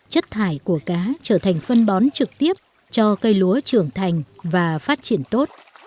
chất thải của cá trở thành phân bón trực tiếp cho cây lúa trưởng thành và phát triển tốt